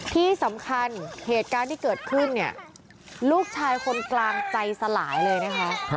ที่สำคัญเหตุการณ์ที่เกิดขึ้นเนี่ยลูกชายคนกลางใจสลายเลยนะคะ